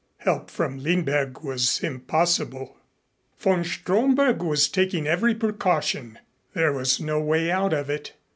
Help from Lindberg was impossible. Von Stromberg was taking every precaution. There was no way out of it.